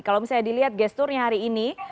kalau misalnya dilihat gesturnya hari ini